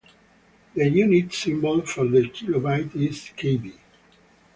The unit symbol for the kilobyte is kB.